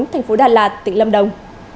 hồ đà lạt tuyệt lâm đông